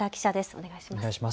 お願いします。